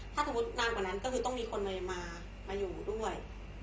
ถ้าสมมุตินานกว่านั้นก็คือต้องมีคนมาอยู่ด้วย